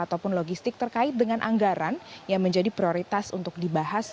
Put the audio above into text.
ataupun logistik terkait dengan anggaran yang menjadi prioritas untuk dibahas